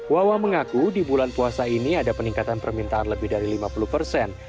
wawah mengaku di bulan puasa ini ada peningkatan permintaan lebih dari lima puluh persen